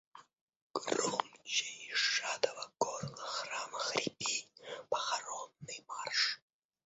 Громче из сжатого горла храма хрипи, похоронный марш!